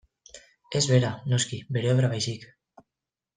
Ez bera, noski, bere obra baizik.